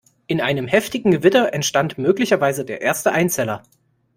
In einem heftigen Gewitter entstand möglicherweise der erste Einzeller.